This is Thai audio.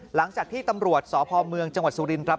หลังจากที่ตำรวจสพเมืองจังหวัดสุรินครับ